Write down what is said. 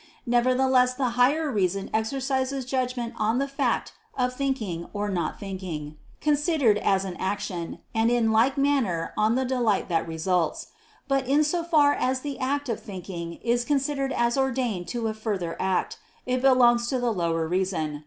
Nevertheless the higher reason exercises judgment on the fact of thinking or not thinking, considered as an action; and in like manner on the delight that results. But in so far as the act of thinking is considered as ordained to a further act, it belongs to the lower reason.